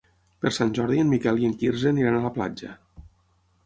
Per Sant Jordi en Miquel i en Quirze aniran a la platja.